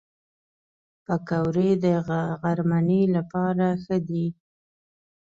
پکورې د غرمنۍ لپاره ښه دي